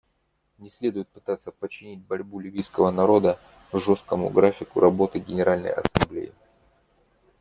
Не следует пытаться подчинить борьбу ливийского народа жесткому графику работы Генеральной Ассамблеи.